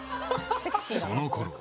そのころ